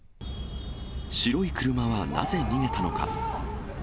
白い車はなぜ逃げたのか。